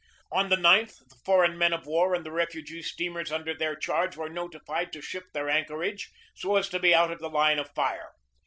On the 9th the foreign men of war and the refugee steamers under their charge were notified to shift their anchorages so as to be out of the line of fire.